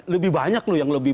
lebih banyak loh yang lebih